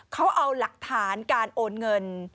เขาเอาหลักฐานการโอนเงิน